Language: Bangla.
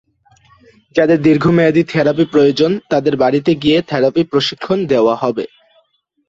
যাদের দীর্ঘমেয়াদি থেরাপি প্রয়োজন, তাদের বাড়িতে গিয়ে থেরাপি প্রশিক্ষণ দেওয়া হবে।